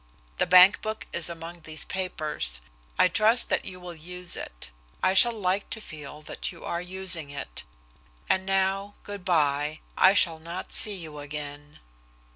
The bank book is among these papers. I trust that you will use it. I shall like to feel that you are using it. And now good by. I shall not see you again."